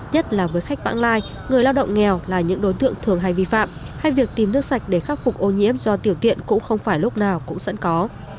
nhất là với khách vãng lai người lao động nghèo là những đối tượng thường hay vi phạm hay việc tìm nước sạch để khắc phục ô nhiễm do tiểu tiện cũng không phải lúc nào cũng sẵn có